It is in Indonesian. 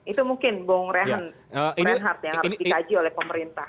itu mungkin bongrehan yang harus dikaji oleh pemerintah